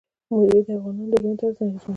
مېوې د افغانانو د ژوند طرز اغېزمنوي.